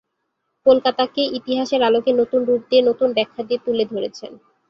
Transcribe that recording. কলকাতাকে ইতিহাসের আলোকে নতুন রূপ দিয়ে, নতুন ব্যাখ্যা দিয়ে তুলে ধরেছেন।